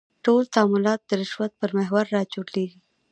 ټول تعاملات د رشوت پر محور راچولېږي.